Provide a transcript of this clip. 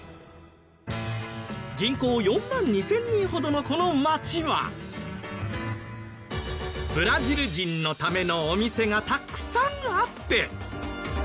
人口４万２０００人ほどのこの町はブラジル人のためのお店がたくさんあって。